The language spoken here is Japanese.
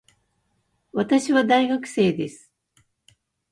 私は大学生です